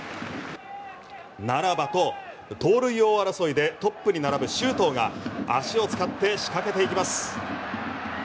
ならばと盗塁王争いでトップに並ぶ周東が足を使って仕掛けていきます。